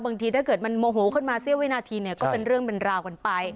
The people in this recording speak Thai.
ถ้าเกิดมันโมโหขึ้นมาเสี้ยวินาทีเนี่ยก็เป็นเรื่องเป็นราวกันไป